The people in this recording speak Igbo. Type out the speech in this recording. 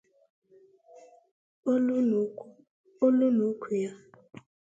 olu na úkwù ya